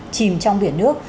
chìm trong biển nước